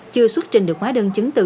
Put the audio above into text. chưa xuất trình được hóa đơn chứng từ